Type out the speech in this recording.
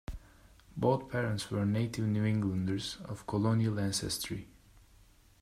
Both parents were native New Englanders of colonial ancestry.